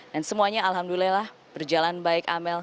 dan semuanya alhamdulillah berjalan baik amel